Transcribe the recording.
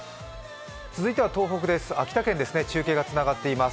続いては東北です、秋田県ですね、中継がつながっています。